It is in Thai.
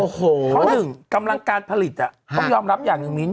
เพราะหนึ่งกำลังการผลิตต้องยอมรับอย่างหนึ่งมิ้น